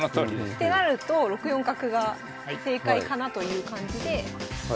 ってなると６四角が正解かなという感じででこれで。